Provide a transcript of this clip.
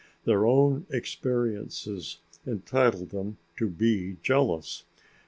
Their own experiences entitle them to be jealous.